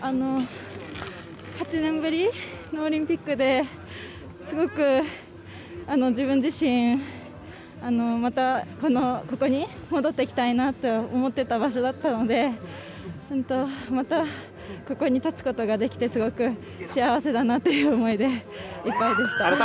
８年ぶりのオリンピックですごく自分自身もまたここに戻ってきたいなと思っていた場所だったのでまた、ここに立つことができてすごく幸せだなという思いでいっぱいでした。